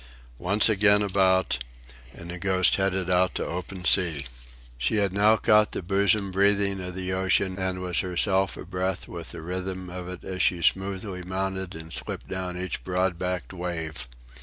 Once again about, and the Ghost headed out to open sea. She had now caught the bosom breathing of the ocean, and was herself a breath with the rhythm of it as she smoothly mounted and slipped down each broad backed wave.